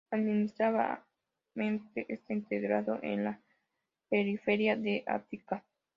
Administrativamente está integrado en la Periferia de Ática.